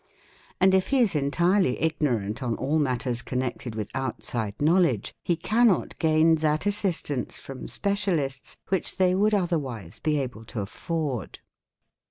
And if he is entirely ignorant on all matters |' connected with outside knowledge, he cannot gain that assistance from b specialists which they would otherwise be able to afford.